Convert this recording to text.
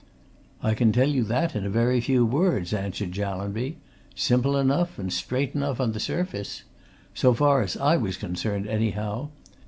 "I can tell you that in a very few words," answered Jallanby. "Simple enough and straight enough, on the surface. So far as I was concerned, anyhow.